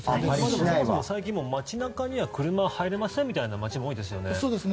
最近街中には車が入れませんみたいな街も多いですよね。